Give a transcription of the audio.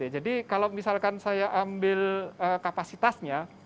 kalau misalkan saya ambil kapasitasnya